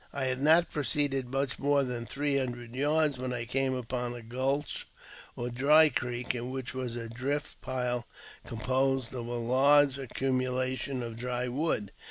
I had not pro ceeded much more than three hundred yards when I came upon a gulch, or dry creek, in which was a drift pile composed of a large accumulation of dry wood.